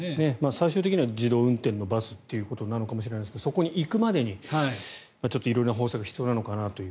最終的には自動運転のバスなのかもしれないですがそこに行くまでにちょっと色々な方策が必要なのかなという。